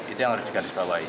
itu yang harus diganti bawahi